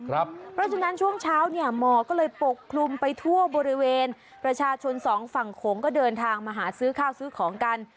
เพราะฉะนั้นช่วงเช้าเนี่ยหมอก็เลยปกคลุมไปทั่วบริเวณประชาชนสองฝั่งโขงก็เดินทางมาหาซื้อข้าวซื้อของกัน